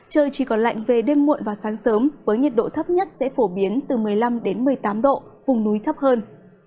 trời chỉ còn lạnh về đêm muộn và sáng sớm với nhiệt độ thấp nhất sẽ phổ biến từ một mươi năm một mươi tám độ vùng núi thấp hơn